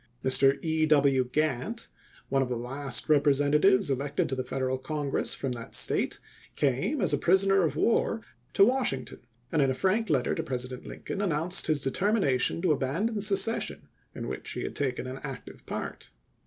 Mr. E. W. Glantt, one of the last Rep resentatives elected to the Federal Congi'ess from that State, came as a prisoner of war to Washing ton, and in a frank letter to President Lincoln announced his determination to abandon secession in which he had taken an active part.